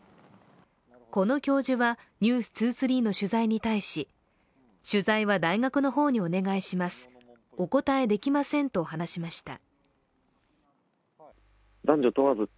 この教授は「ｎｅｗｓ２３」の取材に対し取材は大学の方にお願いします、お答えできませんと話しました。